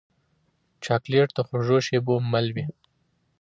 چاکلېټ د خوږو شېبو مل وي.